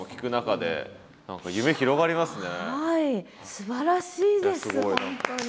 すばらしいです本当に。